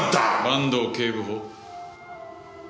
坂東警部補。